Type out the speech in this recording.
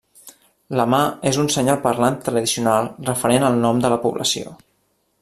La mà és un senyal parlant tradicional referent al nom de la població.